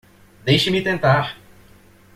Deixe-me tentar!